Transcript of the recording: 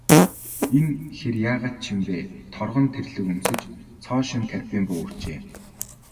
Энэ хэр яагаад ч юм бэ, торгон тэрлэг өмсөж, цоо шинэ карбин буу үүрчээ.